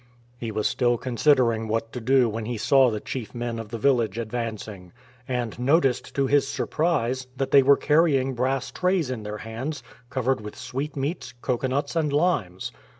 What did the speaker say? He was still considering what to do when he saw the chief men of the village advancing, and noticed, to his surprise, that they were carrying brass trays in their hands covered with sweetmeats, cocoanuts, and limes.